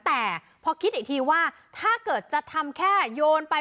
แต่พอคิดอีกทีว่าถ้าเกิดจะทำแค่โยนไป